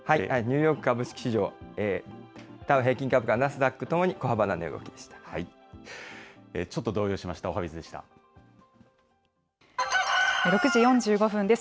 ニューヨーク株式市場、ダウ平均株価、ナスダックともに小幅ちょっと動揺しました、おは６時４５分です。